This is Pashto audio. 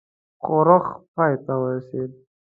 ښورښ پای ته ورسېدی.